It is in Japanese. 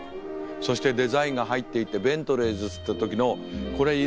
そしてデザインが入っていてベントレーズっつった時の。